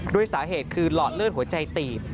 ด้วยสาเหตุคือหลอดเลือดหัวใจตีบ